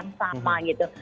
begitu juga hal yang sama